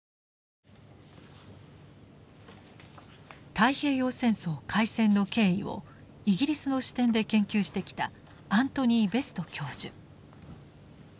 太平洋戦争開戦の経緯をイギリスの視点で研究してきたアントニー・ベスト教授。